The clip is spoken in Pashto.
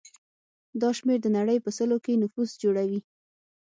دا شمېر د نړۍ په سلو کې نفوس جوړوي.